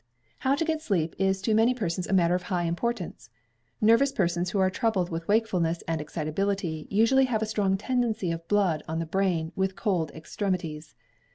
How to get sleep is to many persons a matter of high importance. Nervous persons who are troubled with wakefulness and excitability, usually have a strong tendency of blood on the brain, with cold extremities.